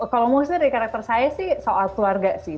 kalau musuh dari karakter saya sih soal keluarga sih